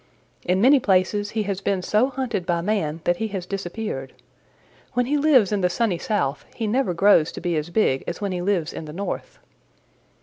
In many places he has been so hunted by man that he has disappeared. When he lives in the Sunny South he never grows to be as big as when he lives in the North.